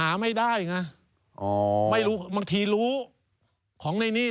มันหาไม่ได้ง่ะบางทีรู้ของในนี้